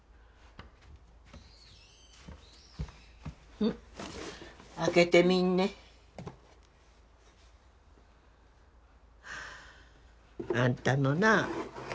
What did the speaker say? うん開けてみんねあんたのな